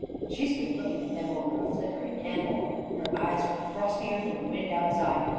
She stood looking at them over a flickering candle. Her eyes were frostier than the wind outside.